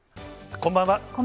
こんばんは。